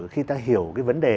khi ta hiểu cái vấn đề